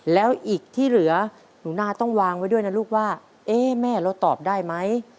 แล้วอีกที่เหลือหนูนาต้องวางไว้ด้วยนะลูกว่าเอ๊ะแม่เราตอบได้ไหม